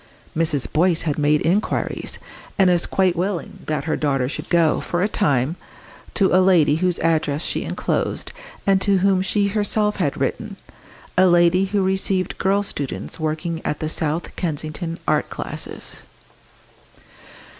Mrs. Boyce had made inquiries, and was quite willing that her daughter should go, for a time, to a lady whose address she enclosed, and to whom she herself had written a lady who received girl students working at the South Kensington art classes.